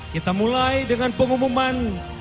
kita mulai dengan pengumuman